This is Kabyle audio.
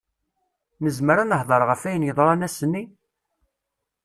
Nezmer ad nehder ɣef ayen yeḍran ass-nni?